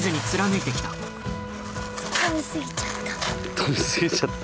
飛びすぎちゃった？